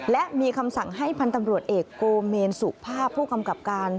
และมีคำสั่งให้พันธ์ตำรวจเอกโกเมนสุภาพผู้กำกับการ